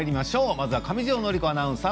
まずは、上條倫子アナウンサー